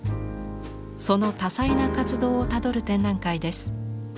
その多彩な活動をたどる展覧会です。